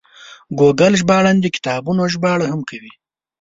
ګوګل ژباړن د کتابونو ژباړه هم کوي.